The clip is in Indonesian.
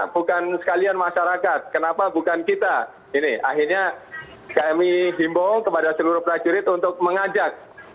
bukan sekalian masyarakat kenapa bukan kita ini akhirnya kami himbo kepada seluruh prajurit untuk mengajak